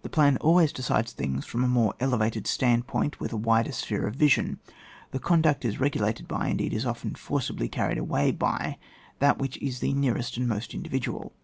The plan always decides things from a more elevated standpoint, with a wider sphere of vision : the conduct is rege lated by, indeed, is often forcibly carried away by that which is the nearest and most individual.